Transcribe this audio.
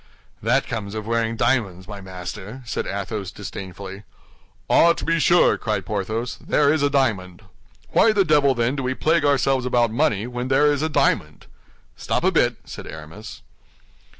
"That comes of wearing diamonds, my master," said Athos, disdainfully. "Ah, to be sure," cried Porthos, "there is a diamond. Why the devil, then, do we plague ourselves about money, when there is a diamond?" "Stop a bit!" said Aramis.